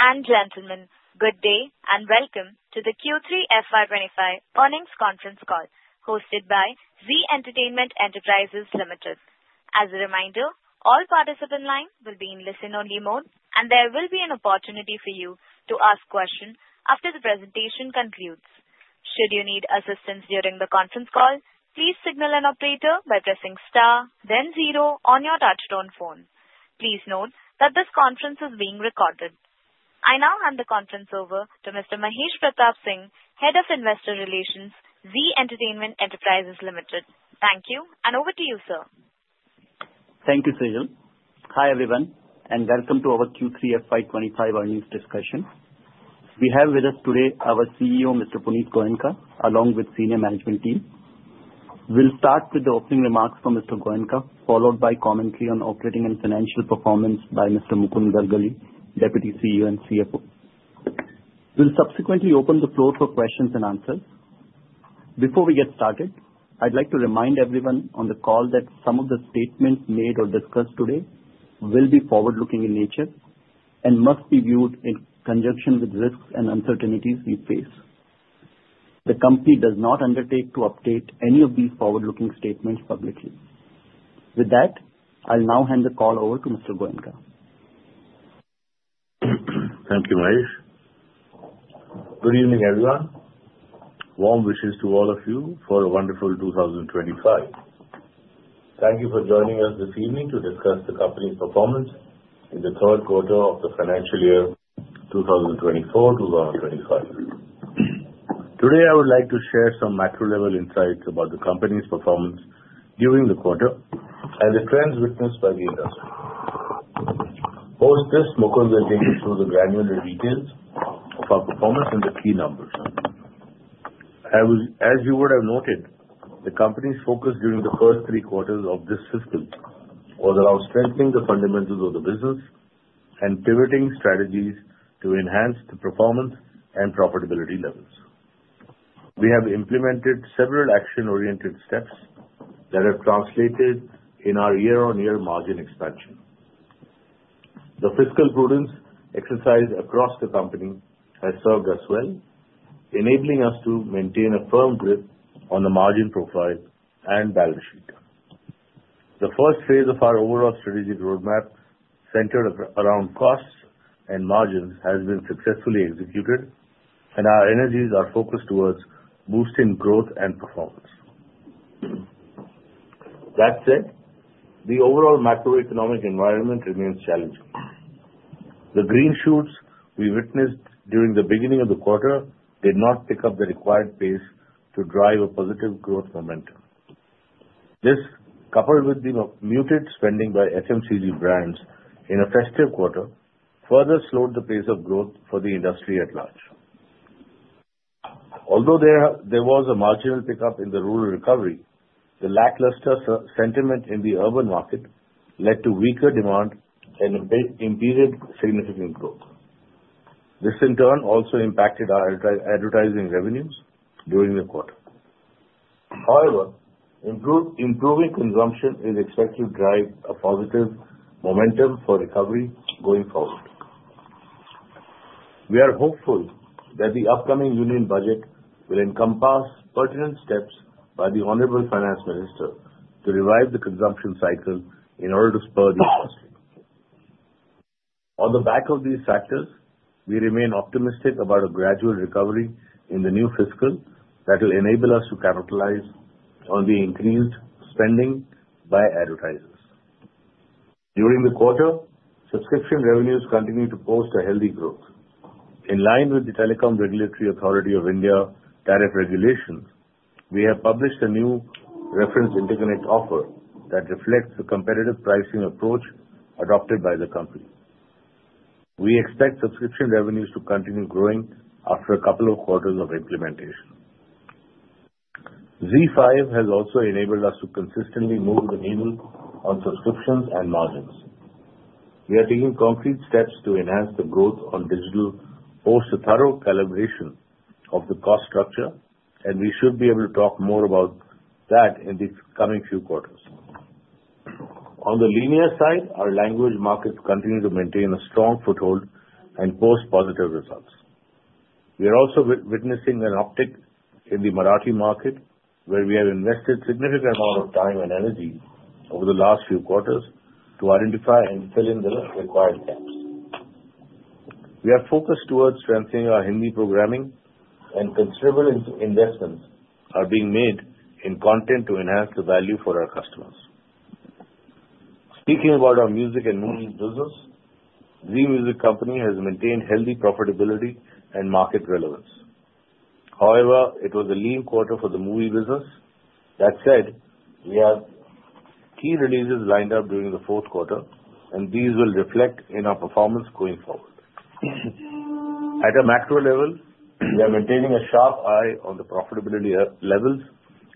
Ladies and gentlemen, good day and welcome to the Q3FY25 earnings conference call hosted by Zee Entertainment Enterprises. Punit Goenka. As a reminder, all participants in line will be in listen-only mode, and there will be an opportunity for you to ask questions after the presentation concludes. Should you need assistance during the conference call, please signal an operator by pressing star, then zero on your touch-tone phone. Please note that this conference is being recorded. I now hand the conference over to Mr. Mahesh Pratap Singh, Head of Investor Relations, Zee Entertainment Enterprises. Punit Goenka. Thank you, and over to you, sir. Thank you, Sejal. Hi everyone, and welcome to our Q3FY25 earnings discussion. We have with us today our CEO, Mr. Punit Goenka, along with the senior management team. We'll start with the opening remarks from Mr. Goenka, followed by commentary on operating and financial performance by Mr. Mukund Galgali, Deputy CEO and CFO. We'll subsequently open the floor for questions and answers. Before we get started, I'd like to remind everyone on the call that some of the statements made or discussed today will be forward-looking in nature and must be viewed in conjunction with risks and uncertainties we face. The company does not undertake to update any of these forward-looking statements publicly. With that, I'll now hand the call over to Mr. Goenka. Thank you, Mahesh. Good evening, everyone. Warm wishes to all of you for a wonderful 2025. Thank you for joining us this evening to discuss the company's performance in the third quarter of the financial year 2024-2025. Today, I would like to share some macro-level insights about the company's performance during the quarter and the trends witnessed by the industry. Post this, Mukund will take us through the granular details of our performance and the key numbers. As you would have noted, the company's focus during the first three quarters of this fiscal year was around strengthening the fundamentals of the business and pivoting strategies to enhance the performance and profitability levels. We have implemented several action-oriented steps that have translated in our year-on-year margin expansion. The fiscal prudence exercised across the company has served us well, enabling us to maintain a firm grip on the margin profile and balance sheet. The first phase of our overall strategic roadmap centered around costs and margins has been successfully executed, and our energies are focused towards boosting growth and performance. That said, the overall macroeconomic environment remains challenging. The green shoots we witnessed during the beginning of the quarter did not pick up the required pace to drive a positive growth momentum. This, coupled with the muted spending by FMCG brands in a festive quarter, further slowed the pace of growth for the industry at large. Although there was a marginal pickup in the rural recovery, the lackluster sentiment in the urban market led to weaker demand and impeded significant growth. This, in turn, also impacted our advertising revenues during the quarter. However, improving consumption is expected to drive a positive momentum for recovery going forward. We are hopeful that the upcoming union budget will encompass pertinent steps by the Honorable Finance Minister to revive the consumption cycle in order to spur the industry. On the back of these factors, we remain optimistic about a gradual recovery in the new fiscal that will enable us to capitalize on the increased spending by advertisers. During the quarter, subscription revenues continue to post a healthy growth. In line with the Telecom Regulatory Authority of India direct regulation, we have published a new reference interconnect offer that reflects the competitive pricing approach adopted by the company. We expect subscription revenues to continue growing after a couple of quarters of implementation. ZEE5 has also enabled us to consistently move the needle on subscriptions and margins. We are taking concrete steps to enhance the growth on digital post a thorough calibration of the cost structure, and we should be able to talk more about that in the coming few quarters. On the linear side, our language markets continue to maintain a strong foothold and post positive results. We are also witnessing an uptick in the Marathi market, where we have invested a significant amount of time and energy over the last few quarters to identify and fill in the required gaps. We are focused towards strengthening our Hindi programming, and considerable investments are being made in content to enhance the value for our customers. Speaking about our music and movie business, Zee Music Company has maintained healthy profitability and market relevance. However, it was a lean quarter for the movie business. That said, we have key releases lined up during the fourth quarter, and these will reflect in our performance going forward. At a macro level, we are maintaining a sharp eye on the profitability levels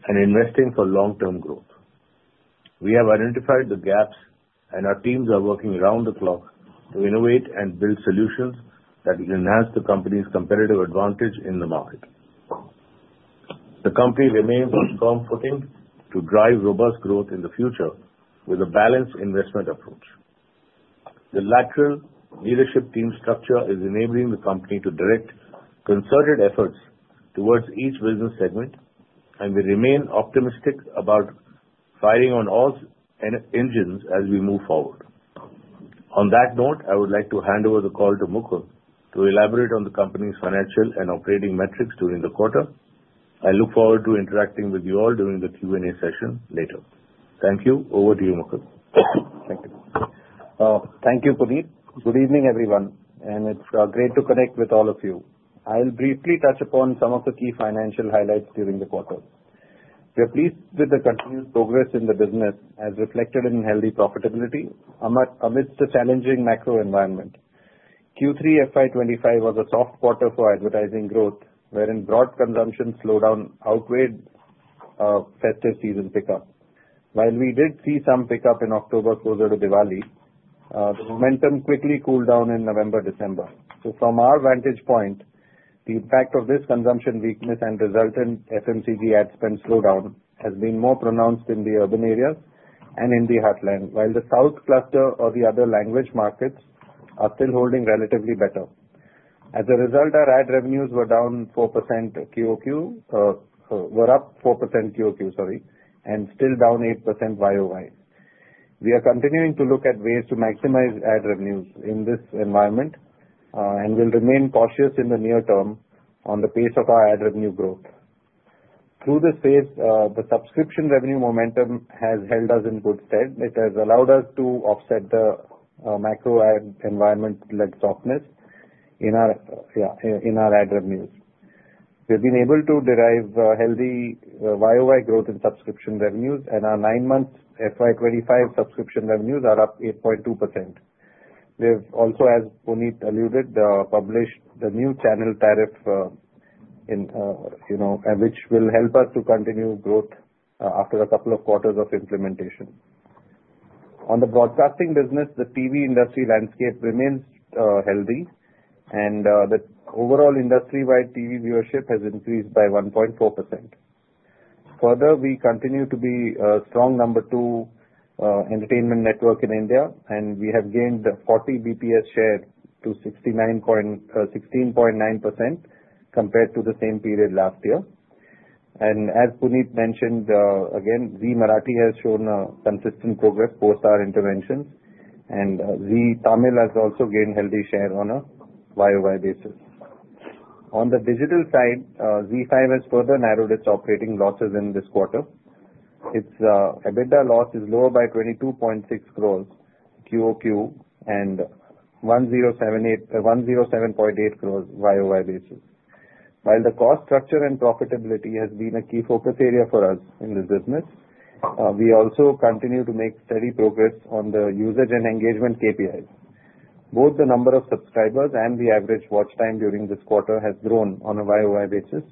and investing for long-term growth. We have identified the gaps, and our teams are working around the clock to innovate and build solutions that will enhance the company's competitive advantage in the market. The company remains on firm footing to drive robust growth in the future with a balanced investment approach. The lateral leadership team structure is enabling the company to direct concerted efforts towards each business segment, and we remain optimistic about firing on all engines as we move forward. On that note, I would like to hand over the call to Mukund to elaborate on the company's financial and operating metrics during the quarter. I look forward to interacting with you all during the Q&A session later. Thank you. Over to you, Mukund. Thank you, Punit. Good evening, everyone, and it's great to connect with all of you. I'll briefly touch upon some of the key financial highlights during the quarter. We are pleased with the continued progress in the business as reflected in healthy profitability amidst the challenging macro environment. Q3FY25 was a soft quarter for advertising growth, wherein broad consumption slowdown outweighed festive season pickup. While we did see some pickup in October closer to Diwali, the momentum quickly cooled down in November-December. From our vantage point, the impact of this consumption weakness and resultant FMCG ad spend slowdown has been more pronounced in the urban areas and in the heartland, while the south cluster or the other language markets are still holding relatively better. As a result, our ad revenues were down 4% QOQ, were up 4% QOQ, sorry, and still down 8% YOY. We are continuing to look at ways to maximize ad revenues in this environment and will remain cautious in the near term on the pace of our ad revenue growth. Through this phase, the subscription revenue momentum has held us in good stead. It has allowed us to offset the macro ad environment-led softness in our ad revenues. We have been able to derive healthy YOY growth in subscription revenues, and our nine-month FY25 subscription revenues are up 8.2%. We have also, as Punit alluded, published the new channel tariff, which will help us to continue growth after a couple of quarters of implementation. On the broadcasting business, the TV industry landscape remains healthy, and the overall industry-wide TV viewership has increased by 1.4%. Further, we continue to be a strong number two entertainment network in India, and we have gained 40 basis points share to 16.9% compared to the same period last year, and as Punit mentioned, again, Zee Marathi has shown consistent progress post our interventions, and Zee Tamil has also gained healthy share on a YOY basis. On the digital side, ZEE5 has further narrowed its operating losses in this quarter. Its EBITDA loss is lower by 22.6 crores QOQ and 107.8 crores YOY basis. While the cost structure and profitability has been a key focus area for us in this business, we also continue to make steady progress on the usage and engagement KPIs. Both the number of subscribers and the average watch time during this quarter has grown on a YOY basis.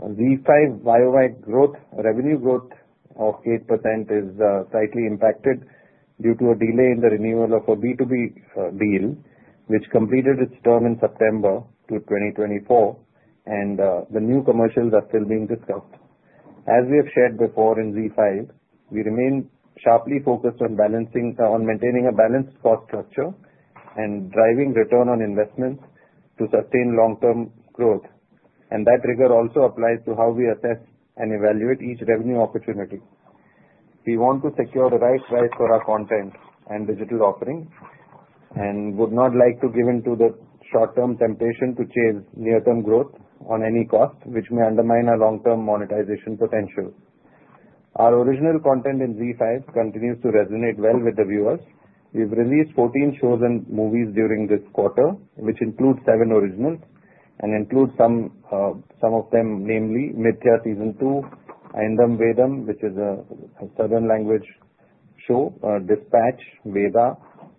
ZEE5 YOY revenue growth of 8% is slightly impacted due to a delay in the renewal of a B2B deal, which completed its term in September 2024, and the new commercials are still being discussed. As we have shared before in ZEE5, we remain sharply focused on maintaining a balanced cost structure and driving return on investment to sustain long-term growth, and that rigor also applies to how we assess and evaluate each revenue opportunity. We want to secure the right price for our content and digital offering and would not like to give in to the short-term temptation to chase near-term growth on any cost, which may undermine our long-term monetization potential. Our original content in ZEE5 continues to resonate well with the viewers. We've released 14 shows and movies during this quarter, which include seven originals and include some of them, namely Mithya Season 2, Aindham Vedham, which is a southern language show, Despatch, Vedaa,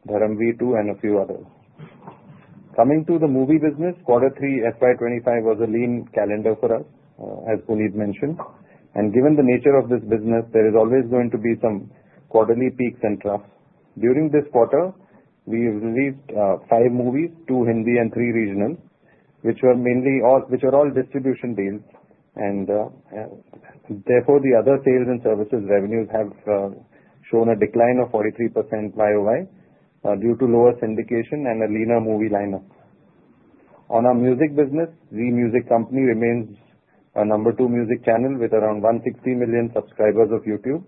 Dharmaveer 2, and a few others. Coming to the movie business, quarter three FY25 was a lean calendar for us, as Punit mentioned, and given the nature of this business, there is always going to be some quarterly peaks and troughs. During this quarter, we released five movies, two Hindi and three regional, which are all distribution deals, and therefore the other sales and services revenues have shown a decline of 43% YOY due to lower syndication and a leaner movie lineup. On our music business, Zee Music Company remains a number two music channel with around 160 million subscribers of YouTube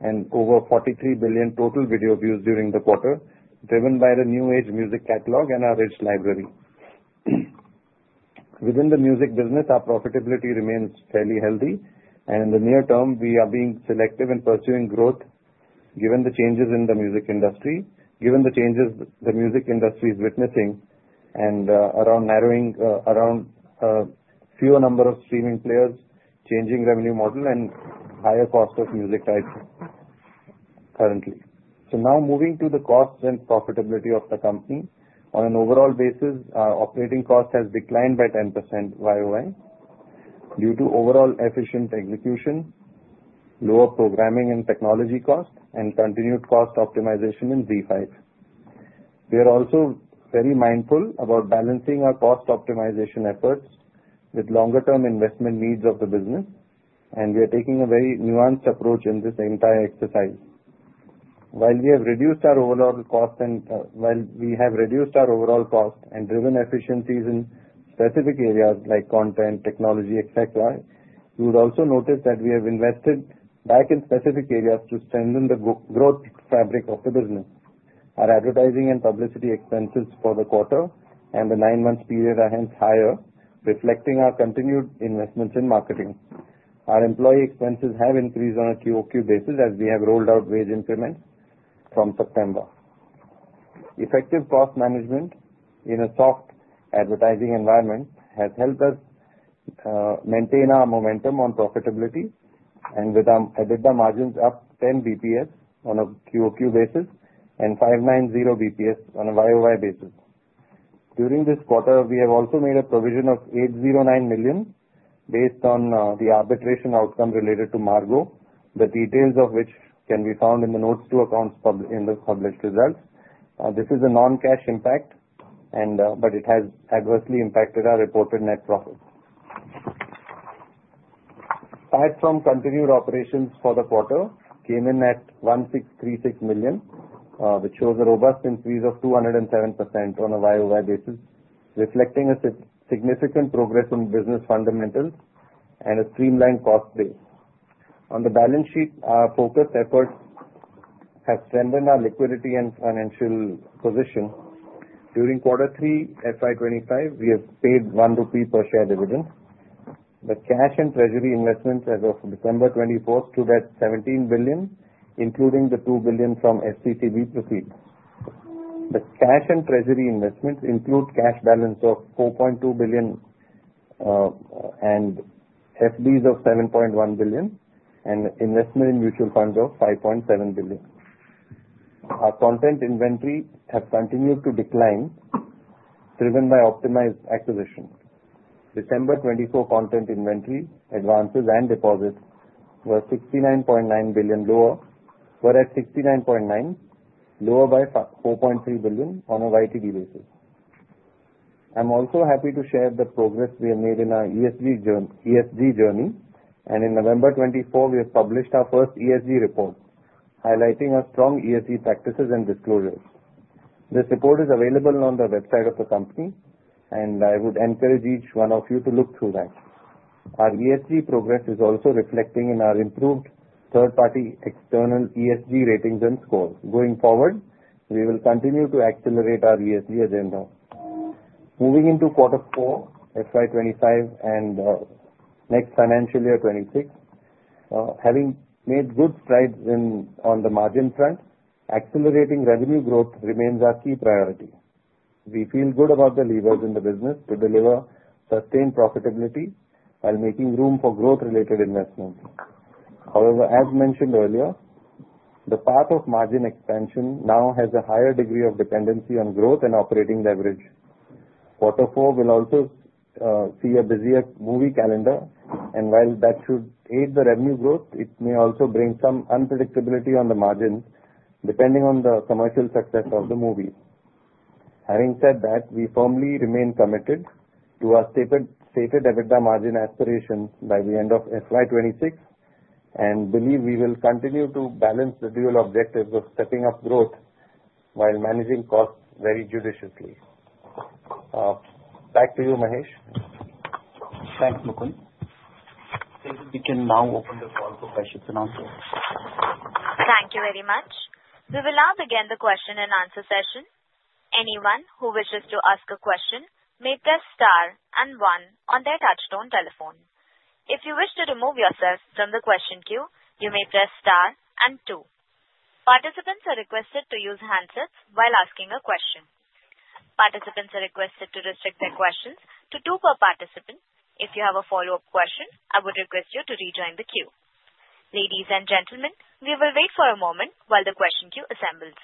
and over 43 billion total video views during the quarter, driven by the new age music catalog and our rich library. Within the music business, our profitability remains fairly healthy, and in the near term, we are being selective in pursuing growth given the changes in the music industry, given the changes the music industry is witnessing, and around narrowing around a fewer number of streaming players, changing revenue model, and higher cost of music types currently. So now moving to the costs and profitability of the company, on an overall basis, our operating cost has declined by 10% YOY due to overall efficient execution, lower programming and technology cost, and continued cost optimization in ZEE5. We are also very mindful about balancing our cost optimization efforts with longer-term investment needs of the business, and we are taking a very nuanced approach in this entire exercise. While we have reduced our overall cost and driven efficiencies in specific areas like content, technology, etc., you would also notice that we have invested back in specific areas to strengthen the growth fabric of the business. Our advertising and publicity expenses for the quarter and the nine-month period are hence higher, reflecting our continued investments in marketing. Our employee expenses have increased on a QOQ basis as we have rolled out wage increments from September. Effective cost management in a soft advertising environment has helped us maintain our momentum on profitability and with our EBITDA margins up 10 basis points on a QOQ basis and 590 basis points on a YOY basis. During this quarter, we have also made a provision of 809 million based on the arbitration outcome related to Margo, the details of which can be found in the notes to accounts in the published results. This is a non-cash impact, but it has adversely impacted our reported net profit. Aside from continued operations for the quarter came in at 1,636 million, which shows a robust increase of 207% on a YOY basis, reflecting a significant progress on business fundamentals and a streamlined cost base. On the balance sheet, our focused efforts have strengthened our liquidity and financial position. During quarter three FY25, we have paid 1 rupee per share dividend. The cash and treasury investments as of December 24, 2024 total 17 billion, including the 2 billion from FCCB proceeds. The cash and treasury investments include cash balance of 4.2 billion and FDs of 7.1 billion and investment in mutual funds of 5.7 billion. Our content inventory has continued to decline, driven by optimized acquisition. December 2024 content inventory advances and deposits were 69.9 billion lower, were at 69.9 billion, lower by 4.3 billion on a YTD basis. I'm also happy to share the progress we have made in our ESG journey, and in November 2024, we have published our first ESG report, highlighting our strong ESG practices and disclosures. This report is available on the website of the company, and I would encourage each one of you to look through that. Our ESG progress is also reflecting in our improved third-party external ESG ratings and scores. Going forward, we will continue to accelerate our ESG agenda. Moving into quarter four FY25 and next financial year 26, having made good strides on the margin front, accelerating revenue growth remains our key priority. We feel good about the levers in the business to deliver sustained profitability while making room for growth-related investments. However, as mentioned earlier, the path of margin expansion now has a higher degree of dependency on growth and operating leverage. Quarter four will also see a busier movie calendar, and while that should aid the revenue growth, it may also bring some unpredictability on the margins depending on the commercial success of the movie. Having said that, we firmly remain committed to our stated EBITDA margin aspirations by the end of FY26 and believe we will continue to balance the dual objectives of stepping up growth while managing costs very judiciously. Back to you, Mahesh. Thanks, Mukund. We can now open the call for questions and answers. Thank you very much. We will now begin the question and answer session. Anyone who wishes to ask a question may press star and one on their touch-tone telephone. If you wish to remove yourself from the question queue, you may press star and two. Participants are requested to use handsets while asking a question. Participants are requested to restrict their questions to two per participant. If you have a follow-up question, I would request you to rejoin the queue. Ladies and gentlemen, we will wait for a moment while the question queue assembles.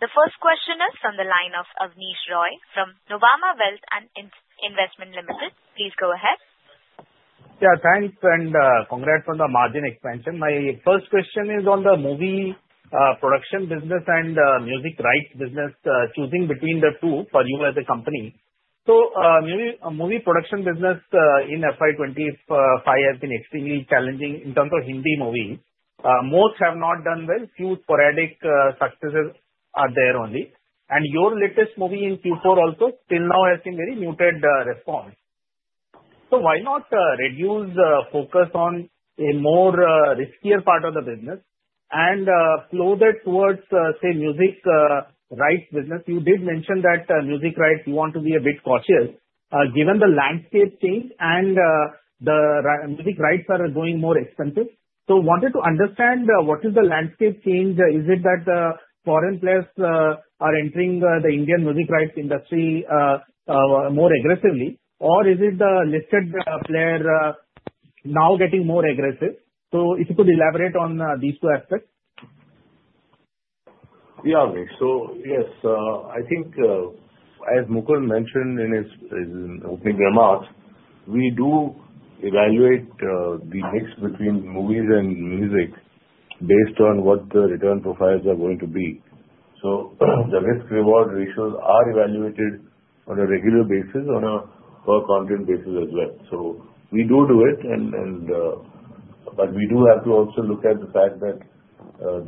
The first question is from the line of Avneesh Roy from Nuvama Wealth. Please go ahead. Yeah, thanks and congrats on the margin expansion. My first question is on the movie production business and music rights business, choosing between the two for you as a company. So movie production business in FY25 has been extremely challenging in terms of Hindi movies. Most have not done well. Few sporadic successes are there only. And your latest movie in Q4 also till now has seen very muted response. So why not reduce the focus on a more riskier part of the business and flow that towards, say, music rights business? You did mention that music rights you want to be a bit cautious given the landscape change and the music rights are going more expensive. So wanted to understand what is the landscape change? Is it that foreign players are entering the Indian music rights industry more aggressively, or is it the listed player now getting more aggressive? If you could elaborate on these two aspects. Yeah, so yes, I think as Mukund mentioned in his opening remarks, we do evaluate the mix between movies and music based on what the return profiles are going to be. So the risk-reward ratios are evaluated on a regular basis, on a per-content basis as well. So we do do it, but we do have to also look at the fact that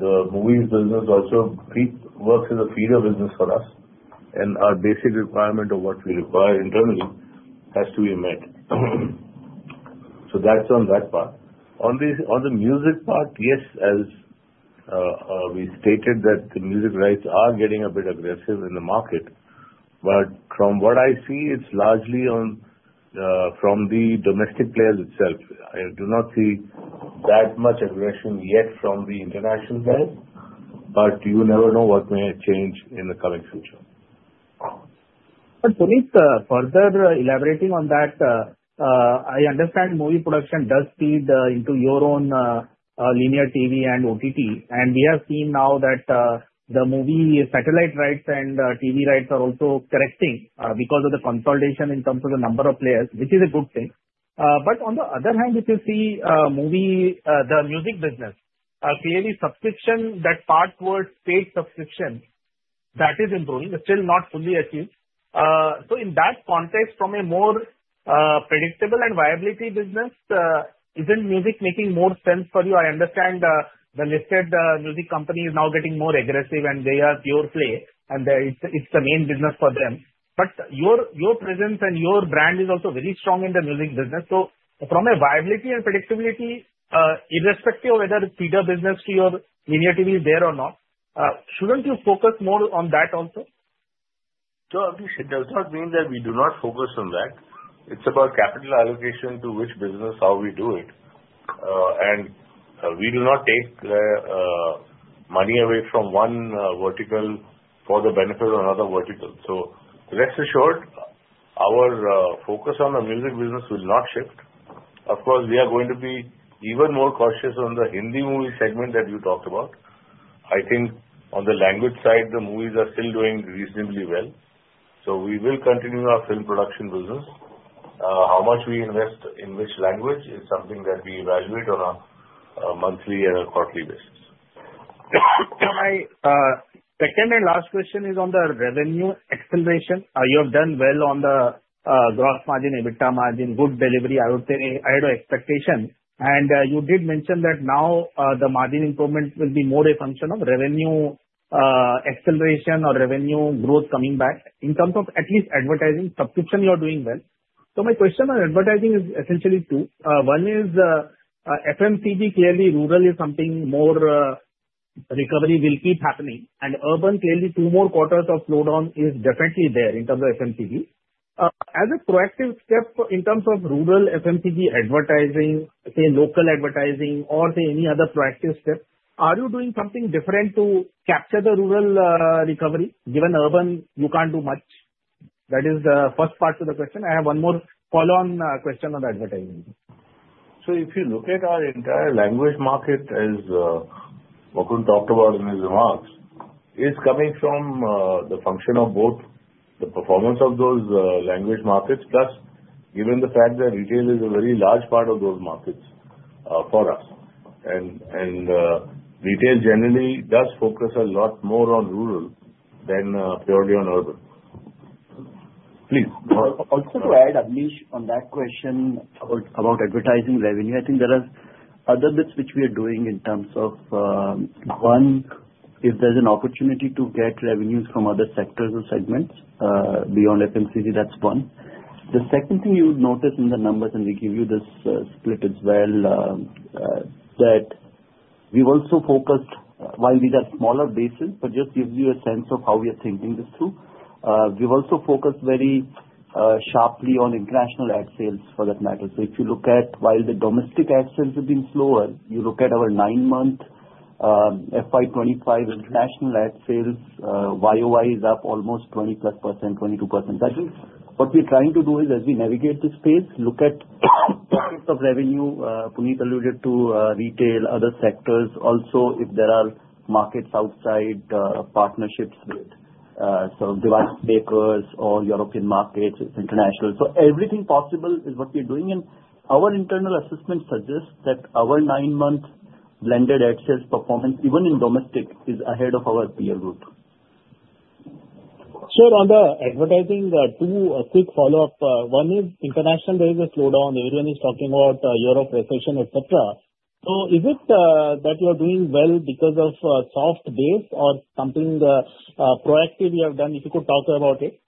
the movies business also works as a feeder business for us, and our basic requirement of what we require internally has to be met. So that's on that part. On the music part, yes, as we stated, that the music rights are getting a bit aggressive in the market, but from what I see, it's largely from the domestic players itself. I do not see that much aggression yet from the international players, but you never know what may change in the coming future. But, Punit, further elaborating on that, I understand movie production does feed into your own linear TV and OTT, and we have seen now that the movie satellite rights and TV rights are also correcting because of the consolidation in terms of the number of players, which is a good thing. But on the other hand, if you see the music business, clearly subscription, that part towards paid subscription, that is improving, but still not fully achieved. So in that context, from a more predictable and viable business, isn't music making more sense for you? I understand the listed music company is now getting more aggressive and they are pure play, and it's the main business for them. But your presence and your brand is also very strong in the music business. So from a viability and predictability, irrespective of whether it's feeder business to your linear TV is there or not, shouldn't you focus more on that also? So it does not mean that we do not focus on that. It's about capital allocation to which business, how we do it, and we do not take money away from one vertical for the benefit of another vertical. So rest assured, our focus on the music business will not shift. Of course, we are going to be even more cautious on the Hindi movie segment that you talked about. I think on the language side, the movies are still doing reasonably well. So we will continue our film production business. How much we invest in which language is something that we evaluate on a monthly and a quarterly basis. My second and last question is on the revenue acceleration. You have done well on the gross margin, EBITDA margin, good delivery. I would say I had an expectation, and you did mention that now the margin improvement will be more a function of revenue acceleration or revenue growth coming back in terms of at least advertising subscription. You are doing well. So my question on advertising is essentially two. One is FMCG, clearly rural is something more recovery will keep happening, and urban clearly two more quarters of slowdown is definitely there in terms of FMCG. As a proactive step in terms of rural FMCG advertising, say local advertising or say any other proactive step, are you doing something different to capture the rural recovery? Given urban, you can't do much. That is the first part to the question. I have one more follow-on question on advertising. So if you look at our entire language market, as Mukund talked about in his remarks, it's coming from the function of both the performance of those language markets, plus given the fact that retail is a very large part of those markets for us. And retail generally does focus a lot more on rural than purely on urban. Please. Also to add, Avneesh, on that question about advertising revenue, I think there are other bits which we are doing in terms of one, if there's an opportunity to get revenues from other sectors or segments beyond FMCG, that's one. The second thing you would notice in the numbers, and we give you this split as well, that we've also focused while these are smaller bases, but just gives you a sense of how we are thinking this through. We've also focused very sharply on international ad sales for that matter. So if you look at while the domestic ad sales have been slower, you look at our nine-month FY25 international ad sales, YOY is up almost 20-plus%, 22%. But what we're trying to do is, as we navigate this space, look at pockets of revenue. Punit alluded to retail, other sectors, also if there are markets outside partnerships with, so device makers or European markets, international, so everything possible is what we are doing, and our internal assessment suggests that our nine-month blended ad sales performance, even in domestic, is ahead of our peer group, so on the advertising, two quick follow-ups. One is international, there is a slowdown. Everyone is talking about Europe recession, etc., so is it that you are doing well because of soft base or something proactive you have done? If you could talk about it.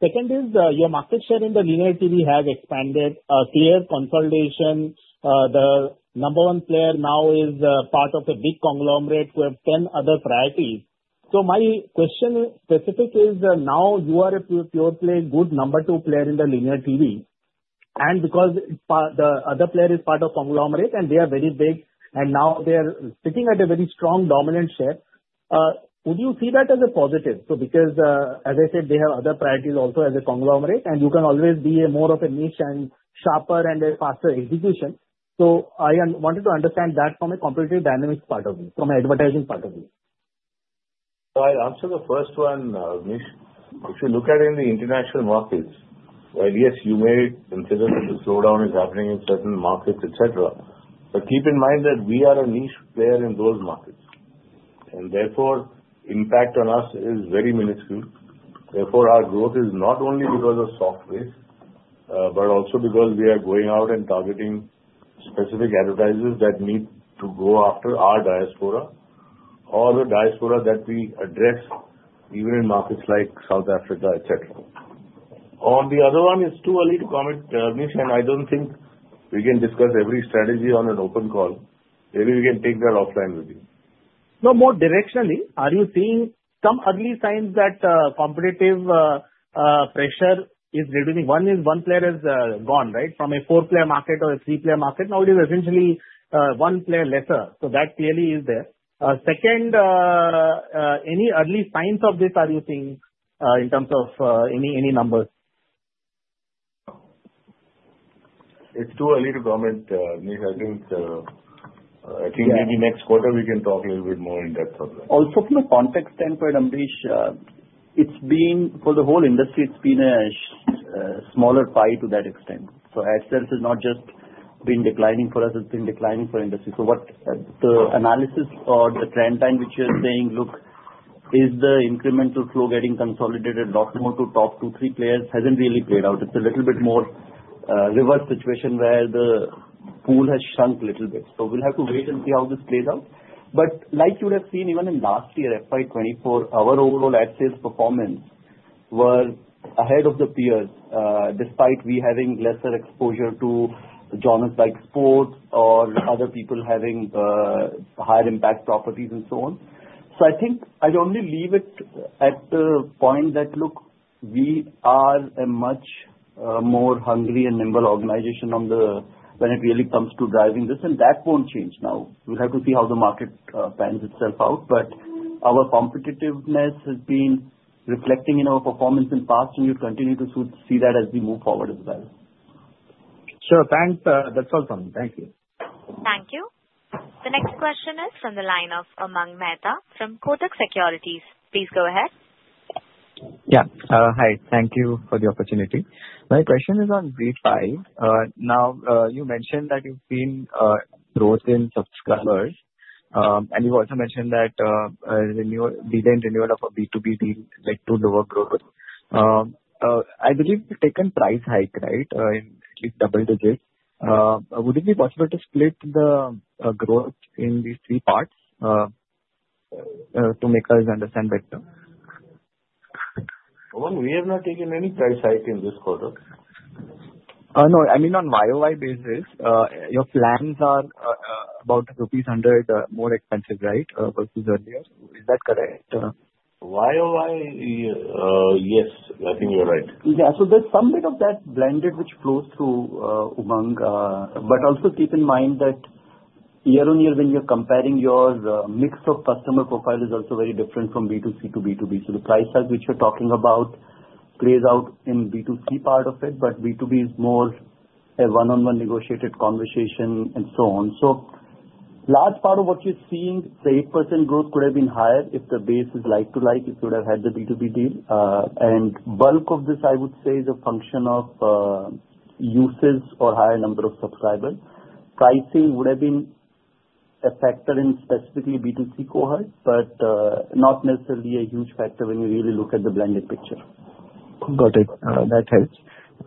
Second is your market share in the linear TV has expanded, clear consolidation. The number one player now is part of a big conglomerate who have 10 other priorities. So, my specific question is: now you are a pure play, good number two player in the linear TV, and because the other player is part of a conglomerate and they are very big, and now they are sitting at a very strong dominant share. Would you see that as a positive? So, because, as I said, they have other priorities also as a conglomerate, and you can always be more of a niche and sharper and a faster execution. So, I wanted to understand that from a competitive dynamics part of it, from an advertising part of it. So I'll answer the first one, Avneesh. If you look at it in the international markets, while yes, you may consider that the slowdown is happening in certain markets, etc., but keep in mind that we are a niche player in those markets, and therefore impact on us is very minuscule. Therefore, our growth is not only because of soft base, but also because we are going out and targeting specific advertisers that need to go after our diaspora or the diaspora that we address, even in markets like South Africa, etc. On the other one, it's too early to comment, Avneesh, and I don't think we can discuss every strategy on an open call. Maybe we can take that offline with you. No, more directionally, are you seeing some early signs that competitive pressure is reducing? One is one player has gone, right, from a four-player market or a three-player market. Now it is essentially one player lesser. So that clearly is there. Second, any early signs of this are you seeing in terms of any numbers? It's too early to comment, Avneesh. I think maybe next quarter we can talk a little bit more in depth of that. Also from a context standpoint, Avneesh, for the whole industry, it's been a smaller pie to that extent. So ad sales has not just been declining for us. It's been declining for industry. So the analysis or the trend line which you're saying, look, is the incremental flow getting consolidated a lot more to top two, three players hasn't really played out. It's a little bit more reverse situation where the pool has shrunk a little bit. So we'll have to wait and see how this plays out. But like you would have seen even in last year, FY24, our overall ad sales performance were ahead of the peers despite we having lesser exposure to Jio's big sports or other people having higher impact properties and so on. So I think I'd only leave it at the point that, look, we are a much more hungry and nimble organization when it really comes to driving this, and that won't change now. We'll have to see how the market pans itself out, but our competitiveness has been reflecting in our performance in the past, and you'd continue to see that as we move forward as well. Sure, thanks. That's all from me. Thank you. Thank you. The next question is from the line of Aman Mehta from Kotak Securities. Please go ahead. Yeah, hi. Thank you for the opportunity. My question is on ZEE5. Now, you mentioned that you've seen growth in subscribers, and you've also mentioned that the delay and renewal of a B2B deal led to lower growth. I believe you've taken price hike, right, in at least double digits. Would it be possible to split the growth in these three parts to make us understand better? We have not taken any price hike in this quarter. No, I mean on YOY basis, your plans are about rupees 100 more expensive, right, versus earlier. Is that correct? YOY, yes, I think you're right. Yeah, so there's some bit of that blended which flows through among, but also keep in mind that year on year, when you're comparing, your mix of customer profile is also very different from B2C to B2B. So the price tag which you're talking about plays out in B2C part of it, but B2B is more a one-on-one negotiated conversation and so on. So large part of what you're seeing, the 8% growth could have been higher if the base is like-for-like, if you would have had the B2B deal, and bulk of this, I would say, is a function of users or higher number of subscribers. Pricing would have been a factor in specifically B2C cohort, but not necessarily a huge factor when you really look at the blended picture. Got it. That helps.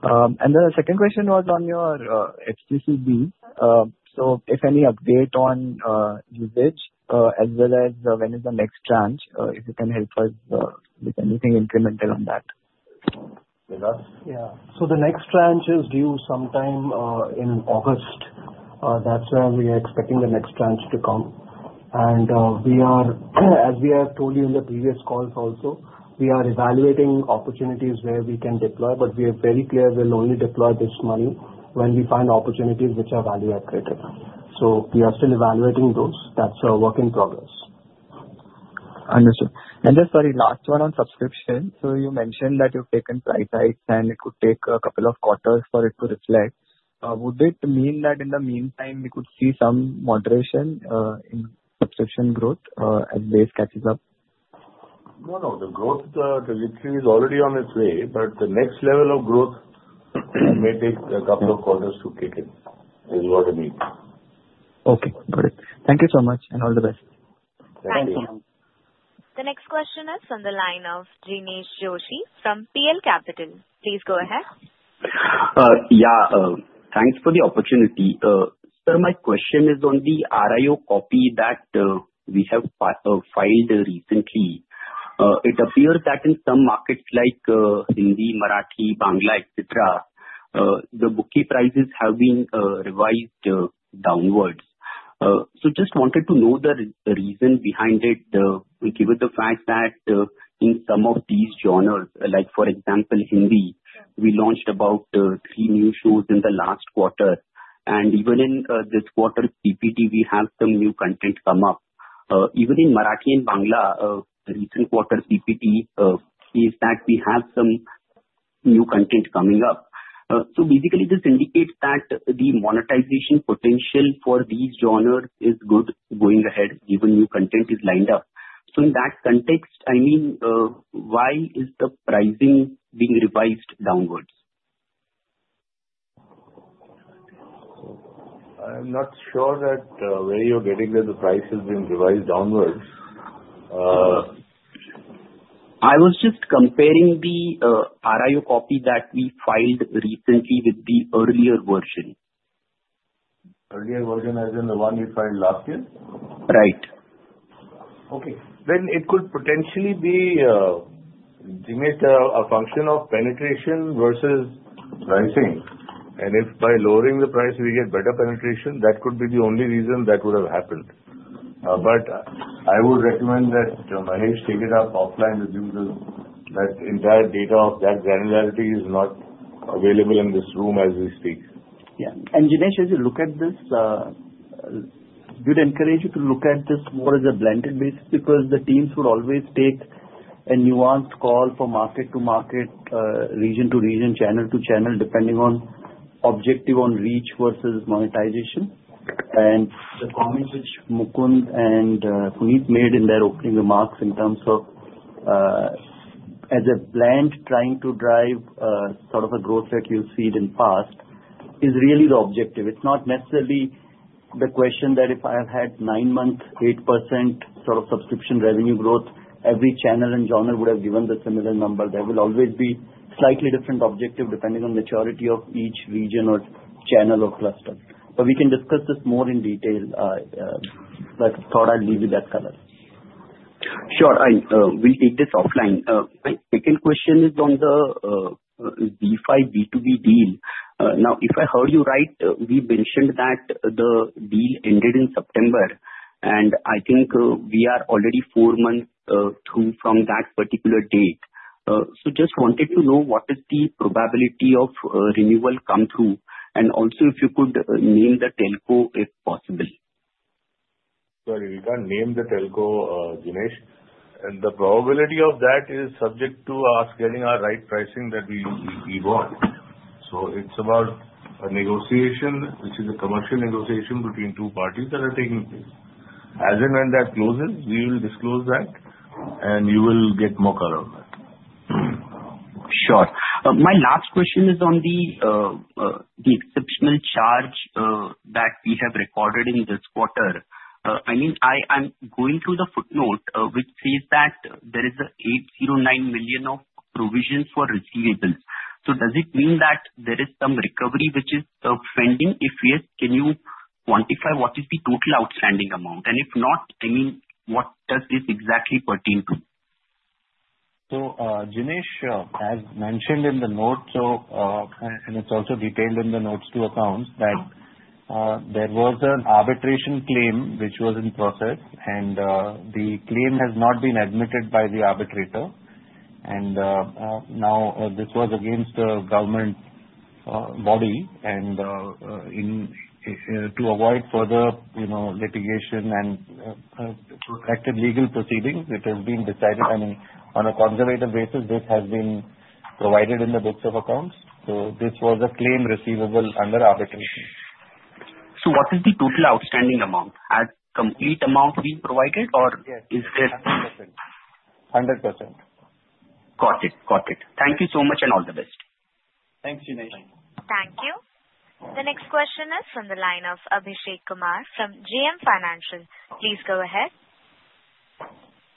And then the second question was on your FCCB. So if any update on usage as well as when is the next tranche, if you can help us with anything incremental on that. With us? Yeah. So the next tranche is due sometime in August. That's when we are expecting the next tranche to come. And as we have told you in the previous calls also, we are evaluating opportunities where we can deploy, but we are very clear we'll only deploy this money when we find opportunities which are value-accretive. So we are still evaluating those. That's a work in progress. Understood. And just sorry, last one on subscription. So you mentioned that you've taken price hikes, and it could take a couple of quarters for it to reflect. Would it mean that in the meantime we could see some moderation in subscription growth as base catches up? No, no. The growth trajectory is already on its way, but the next level of growth may take a couple of quarters to kick in is what I mean. Okay, got it. Thank you so much and all the best. Thank you. Thank you. The next question is from the line of Jinesh Joshi from PL Capital. Please go ahead. Yeah, thanks for the opportunity. Sir, my question is on the RIO copy that we have filed recently. It appears that in some markets like Hindi, Marathi, Bangla, etc., the bouquet prices have been revised downwards. So just wanted to know the reason behind it, given the fact that in some of these genres, like for example, Hindi, we launched about three new shows in the last quarter, and even in this quarter's PPT, we have some new content come up. Even in Marathi and Bangla, the recent quarter's PPT is that we have some new content coming up. So basically, this indicates that the monetization potential for these genres is good going ahead, given new content is lined up. So in that context, I mean, why is the pricing being revised downwards? I'm not sure where you're getting that the price has been revised downward. I was just comparing the RIO copy that we filed recently with the earlier version. Earlier version as in the one we filed last year? Right. Okay. Then it could potentially be a function of penetration versus pricing. And if by lowering the price, we get better penetration, that could be the only reason that would have happened. But I would recommend that Mahesh take it up offline with you that entire data of that granularity is not available in this room as we speak. Yeah. Dinesh, as you look at this, would I encourage you to look at this more as a blended basis because the teams would always take a nuanced call for market to market, region to region, channel to channel, depending on objective on reach versus monetization. And the comments which Mukund and Punit made in their opening remarks in terms of as a plan trying to drive sort of a growth that you've seen in the past is really the objective. It's not necessarily the question that if I have had nine-month 8% sort of subscription revenue growth, every channel and genre would have given the similar number. There will always be slightly different objective depending on the maturity of each region or channel or cluster. But we can discuss this more in detail, but I thought I'd leave you that color. Sure. We'll take this offline. My second question is on the B2B deal. Now, if I heard you right, we mentioned that the deal ended in September, and I think we are already four months through from that particular date. So just wanted to know what is the probability of renewal come through, and also if you could name the telco if possible. Sorry, we can't name the telco, Dinesh. And the probability of that is subject to us getting our right pricing that we want. So it's about a negotiation, which is a commercial negotiation between two parties that are taking place. As and when that closes, we will disclose that, and you will get more color on that. Sure. My last question is on the exceptional charge that we have recorded in this quarter. I mean, I'm going through the footnote, which says that there is an 809 million of provisions for receivables. So does it mean that there is some recovery which is pending? If yes, can you quantify what is the total outstanding amount? And if not, I mean, what does this exactly pertain to? So, Dinesh, as mentioned in the notes, and it's also detailed in the notes to accounts, that there was an arbitration claim which was in process, and the claim has not been admitted by the arbitrator. And now this was against a government body. And to avoid further litigation and protracted legal proceedings, it has been decided. I mean, on a conservative basis, this has been provided in the books of accounts. So this was a claim receivable under arbitration. So, what is the total outstanding amount? Has complete amount been provided, or is there? 100%. 100%. Got it. Got it. Thank you so much and all the best. Thanks, Jinesh. Thank you. The next question is from the line of Abhishek Kumar from JM Financial. Please go ahead.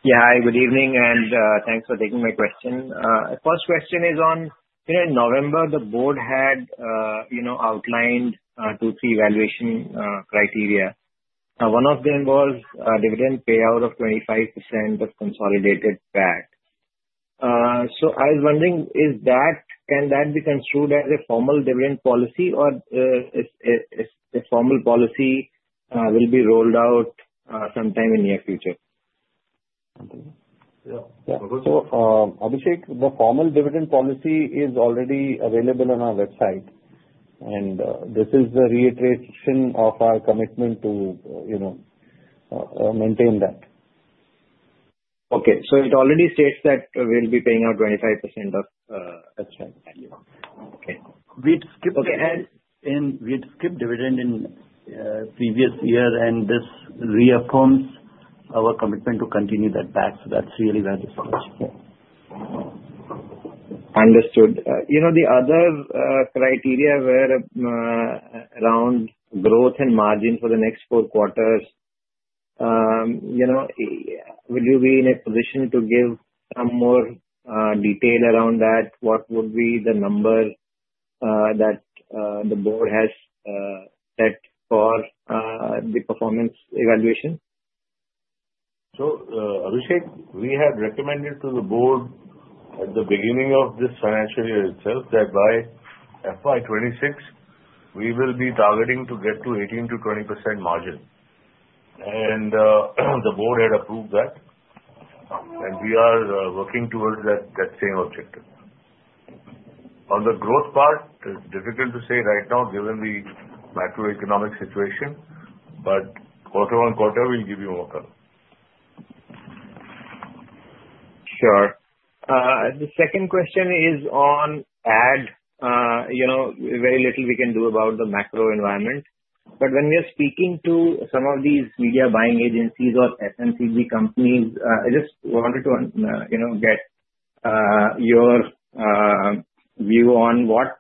Yeah, hi. Good evening, and thanks for taking my question. First question is on November, the board had outlined two, three valuation criteria. One of them was dividend payout of 25% of consolidated PAT. So I was wondering, can that be construed as a formal dividend policy, or is the formal policy will be rolled out sometime in the near future? Yeah, so Abhishek, the formal dividend policy is already available on our website, and this is the reiteration of our commitment to maintain that. Okay. So it already states that we'll be paying out 25% of. That's right. Okay. We'd skipped dividend in previous year, and this reaffirms our commitment to continue that back, so that's really valuable. Understood. The other criteria were around growth and margin for the next four quarters. Would you be in a position to give some more detail around that? What would be the number that the board has set for the performance evaluation? Abhishek, we had recommended to the board at the beginning of this financial year itself that by FY26, we will be targeting to get to 18%-20% margin. The board had approved that, and we are working towards that same objective. On the growth part, it's difficult to say right now given the macroeconomic situation, but quarter on quarter, we'll give you more color. Sure. The second question is on ad. Very little we can do about the macro environment. But when we are speaking to some of these media buying agencies or FMCG companies, I just wanted to get your view on what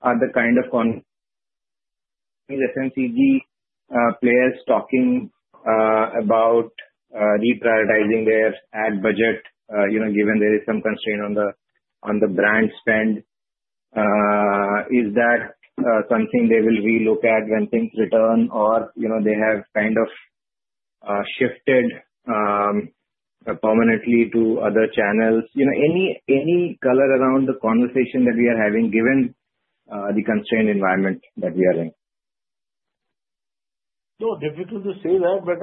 are the kind of FMCG players talking about reprioritizing their ad budget, given there is some constraint on the brand spend. Is that something they will relook at when things return, or they have kind of shifted permanently to other channels? Any color around the conversation that we are having, given the constrained environment that we are in? No, difficult to say that, but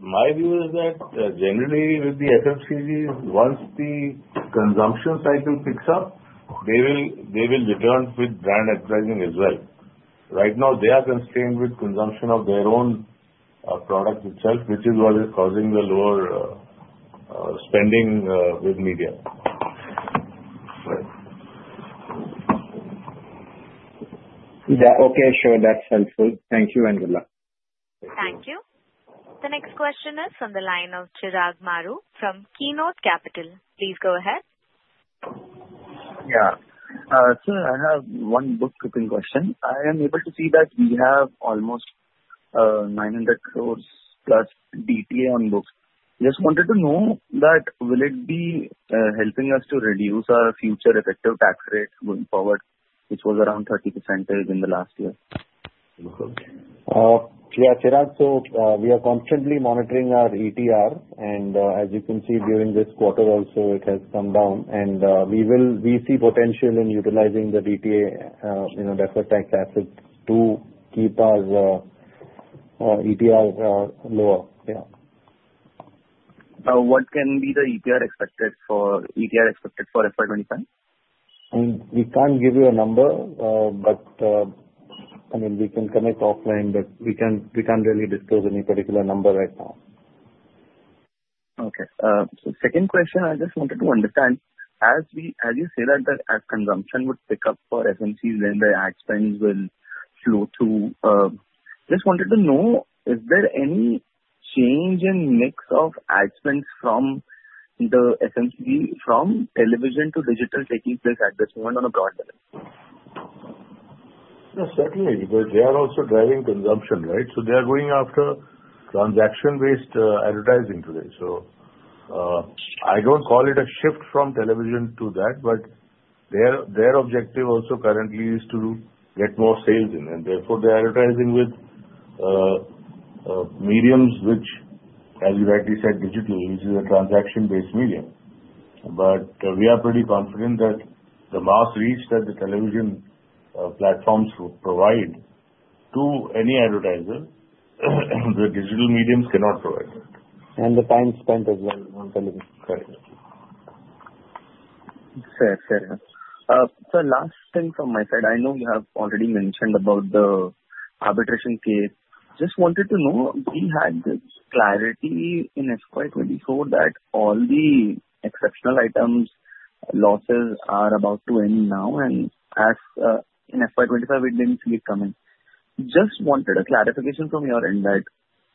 my view is that generally with the FMCGs, once the consumption cycle picks up, they will return with brand advertising as well. Right now, they are constrained with consumption of their own product itself, which is what is causing the lower spending with media. Okay. Sure. That's helpful. Thank you, and goodluck. Thank you. The next question is from the line of Chirag Maroo from Keynote Capital. Please go ahead. Yeah. So I have one bookkeeping question. I am able to see that we have almost 900 crores plus DTA on books. Just wanted to know that will it be helping us to reduce our future effective tax rate going forward, which was around 30% in the last year? Yeah, Chirag, so we are constantly monitoring our ETR, and as you can see during this quarter also, it has come down. And we see potential in utilizing the DTA, Deferred Tax Asset, to keep our ETR lower. Yeah. What can be the ETR expected for FY25? I mean, we can't give you a number, but I mean, we can connect offline, but we can't really disclose any particular number right now. Okay. So second question, I just wanted to understand. As you say that as consumption would pick up for FMCGs, then the ad spends will flow through. Just wanted to know, is there any change in mix of ad spends from the FMCG from television to digital taking place at this moment on a broad level? Yeah, certainly, because they are also driving consumption, right? So they are going after transaction-based advertising today. So I don't call it a shift from television to that, but their objective also currently is to get more sales in, and therefore they are advertising with mediums, which, as you rightly said, digital leads is a transaction-based medium. But we are pretty confident that the mass reach that the television platforms would provide to any advertiser, the digital mediums cannot provide that. And the time spent as well on television. Correct. Fair. Fair. So last thing from my side, I know you have already mentioned about the arbitration case. Just wanted to know, we had this clarity in FY24 that all the exceptional items losses are about to end now, and as in FY25, it didn't keep coming. Just wanted a clarification from your end that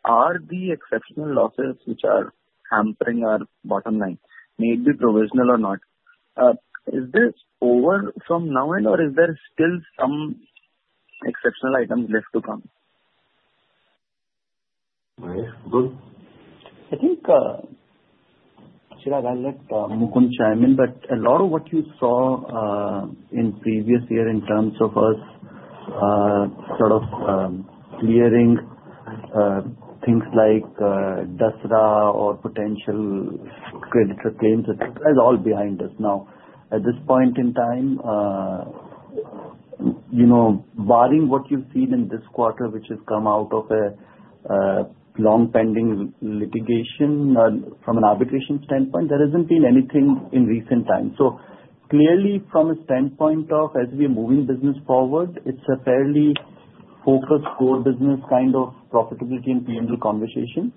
are the exceptional losses which are hampering our bottom line, maybe provisional or not, is this over from now, and/or is there still some exceptional items left to come? I think Chirag, I'll let Mukund chime in, but a lot of what you saw in previous year in terms of us sort of clearing things like DSRA or potential creditor claims is all behind us now. At this point in time, barring what you've seen in this quarter, which has come out of a long-pending litigation from an arbitration standpoint, there hasn't been anything in recent times. So clearly, from a standpoint of as we are moving business forward, it's a fairly focused core business kind of profitability and P&L conversation.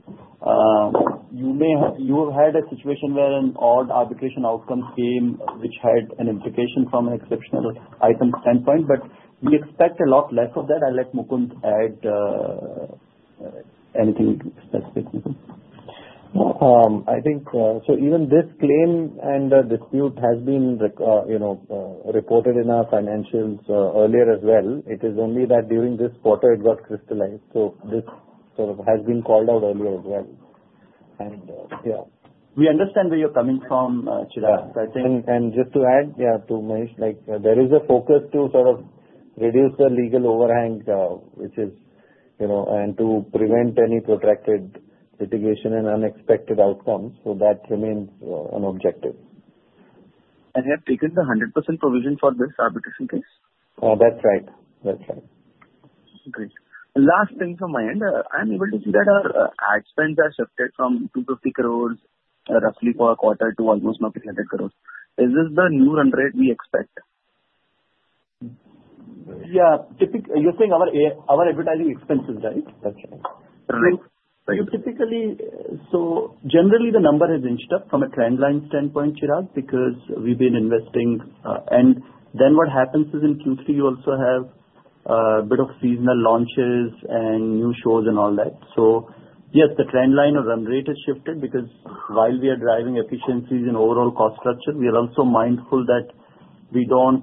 You have had a situation where an odd arbitration outcome came, which had an implication from an exceptional item standpoint, but we expect a lot less of that. I'll let Mukund add anything specific. I think so even this claim and the dispute has been reported in our financials earlier as well. It is only that during this quarter, it got crystallized. So this sort of has been called out earlier as well. And yeah. We understand where you're coming from, Chirag. I think. Just to add, yeah, to Mahesh, there is a focus to sort of reduce the legal overhang, which is and to prevent any protracted litigation and unexpected outcomes. That remains an objective. You have taken the 100% provision for this arbitration case? That's right. That's right. Great. Last thing from my end, I'm able to see that our ad spends have shifted from 250 crores roughly for a quarter to almost 300 crores. Is this the new run rate we expect? Yeah. You're saying our advertising expenses, right? That's right. So generally, the number has inched up from a trendline standpoint, Chirag, because we've been investing. And then what happens is in Q3, you also have a bit of seasonal launches and new shows and all that. So yes, the trendline or run rate has shifted because while we are driving efficiencies and overall cost structure, we are also mindful that we don't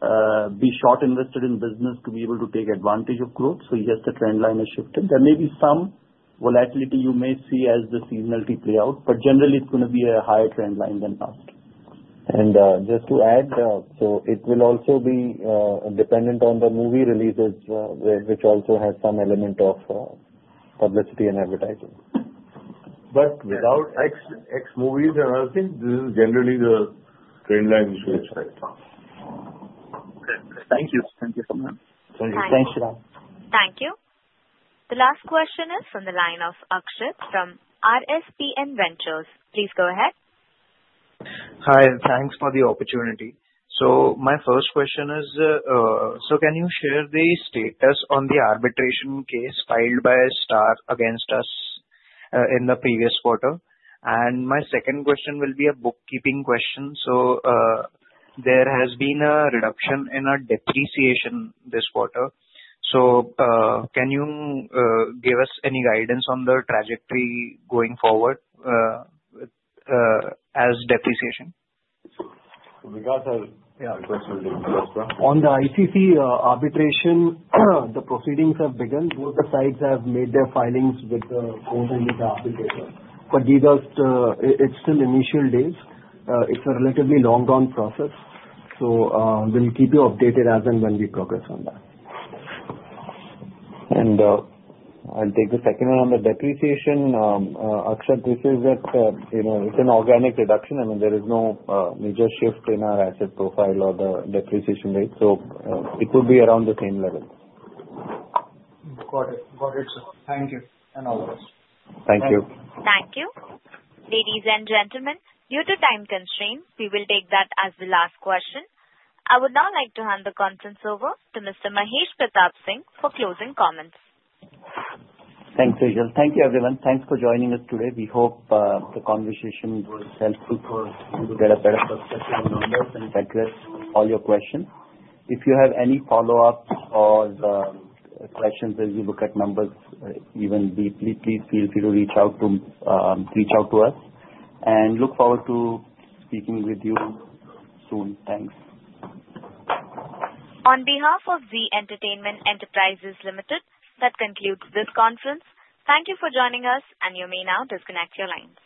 be short invested in business to be able to take advantage of growth. So yes, the trendline has shifted. There may be some volatility you may see as the seasonality play out, but generally, it's going to be a higher trendline than past. Just to add, so it will also be dependent on the movie releases, which also has some element of publicity and advertising. But without X movies and other things, this is generally the trendline we should expect. Thank you. Thank you so much. Thank you. Thanks, Chirag. Thank you. The last question is from the line of Akshat from RSPN Ventures. Please go ahead. Hi. Thanks for the opportunity. So my first question is, so can you share the status on the arbitration case filed by Star against us in the previous quarter? And my second question will be a bookkeeping question. So there has been a reduction in our depreciation this quarter. So can you give us any guidance on the trajectory going forward as depreciation? So, regarding the question of the investor? On the ICC arbitration, the proceedings have begun. Both the sides have made their filings with both the investor and arbitrator. But it's still initial days. It's a relatively long-term process. So we'll keep you updated as and when we progress on that. I'll take the second one on the depreciation. Akshit, this is that it's an organic reduction. I mean, there is no major shift in our asset profile or the depreciation rate. So it would be around the same level. Got it. Got it, sir. Thank you and all the best. Thank you. Thank you. Ladies and gentlemen, due to time constraints, we will take that as the last question. I would now like to hand the conference over to Mr. Mahesh Pratap Singh for closing comments. Thanks, Sejal. Thank you, everyone. Thanks for joining us today. We hope the conversation was helpful for you to get a better perspective on numbers and address all your questions. If you have any follow-ups or questions as you look at numbers even deeply, please feel free to reach out to us. And look forward to speaking with you soon. Thanks. On behalf of Zee Entertainment Enterprises Limited, that concludes this conference. Thank you for joining us, and you may now disconnect your lines.